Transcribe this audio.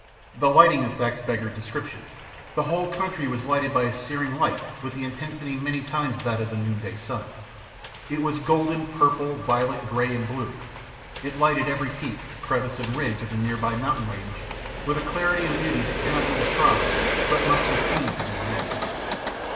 The lighting effects beggared description. The whole country was lighted by a searing light with the intensity many times that of the midday sun. It was golden, purple, violet, gray, and blue. It lighted every peak, crevasse and ridge of the nearby mountain range with a clarity and beauty that cannot be described but must be seen to be imagined..."